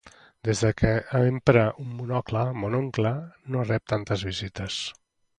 Des que empra un monocle, mon oncle no rep tantes visites.